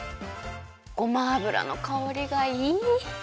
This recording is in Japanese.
ごま油のかおりがいい！